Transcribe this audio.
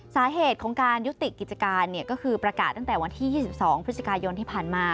สาเหตุของการยุติกิจการก็คือประกาศตั้งแต่วันที่๒๒พฤศจิกายนที่ผ่านมา